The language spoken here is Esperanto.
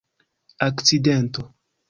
akcidento